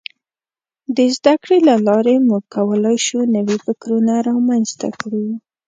د زدهکړې له لارې موږ کولای شو نوي فکرونه رامنځته کړو.